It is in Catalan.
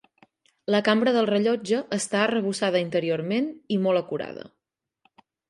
La cambra del rellotge està arrebossada interiorment i molt acurada.